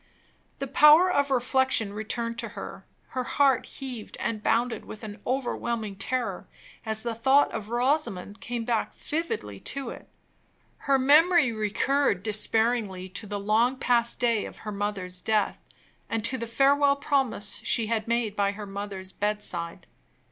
The power of reflection returned to her; her heart heaved and bounded with an overwhelming terror, as the thought of Rosamond came back vividly to it; her memory recurred despairingly to the long past day of her mother's death, and to the farewell promise she had made by her mother's bedside.